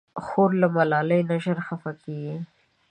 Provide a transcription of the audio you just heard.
خور له ملالۍ نه ژر خفه کېږي.